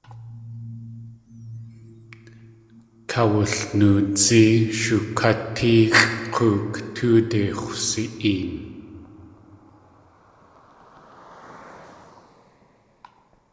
Kawulnoodzí shukát tʼeexʼ k̲ook tóode x̲wsi.een.